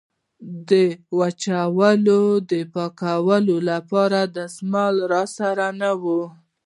د وچولې د پاکولو لپاره دستمال را سره نه و.